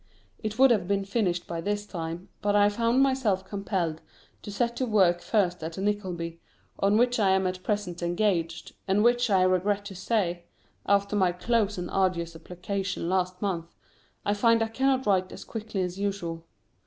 It would have been finished by this time, but I found myself compelled to set to work first at the "Nickleby" on which I am at present engaged, and which I regret to say after my close and arduous application last month I find I cannot write as quickly as usual.